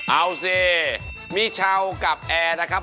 เอาสิมีเช้ากับแอนะครับ